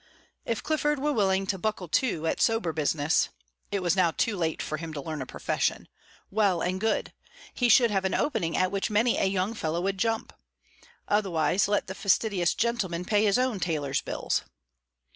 If Clifford were willing to "buckle to" at sober business (it was now too late for him to learn a profession), well and good; he should have an opening at which many a young fellow would jump. Otherwise, let the fastidious gentleman pay his own tailor's bills.